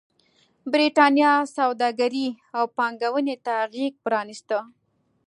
برېټانیا سوداګرۍ او پانګونې ته غېږ پرانېسته.